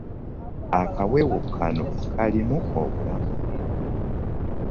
Akawewo kano kalimu obulamu.